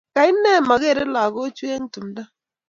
kainei makere lagokchu eng tumdo?